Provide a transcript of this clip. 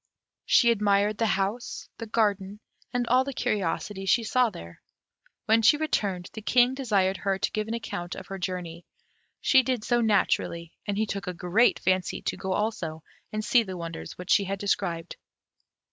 She admired the house, the garden, and all the curiosities she saw there. When she returned, the King desired her to give an account of her journey; she did so naturally, and he took a great fancy to go also and see the wonders which she described.